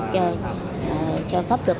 chờ pháp luật